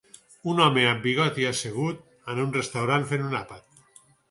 Un home amb bigoti assegut en un restaurant fent un àpat